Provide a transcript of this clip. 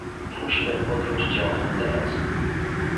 Musimy podjąć działania teraz